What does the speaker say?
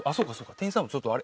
店員さんもちょっとあれ。